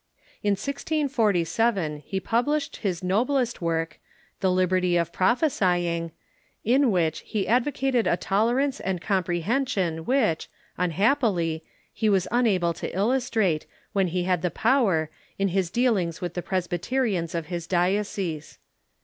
In 1G47 he published his noblest Avork, "The Liberty of Prophesying," in which he advocated a tolerance and comprehension which, unhappily, he was nna ble to illustrate, when he had the power, in his dealings with the Presbyterians of his diocese.